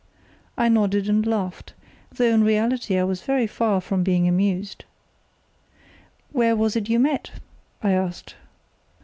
I nodded and laughed, though in reality I was very far from being amused. "Where was it you met?" I asked.